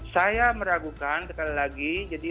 saya meragukan sekali lagi